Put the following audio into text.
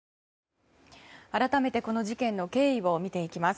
改めてこの事件の経緯を見ていきます。